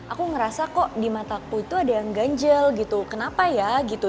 aku ngerasa kok di mataku itu ada yang ganjel gitu kenapa ya gitu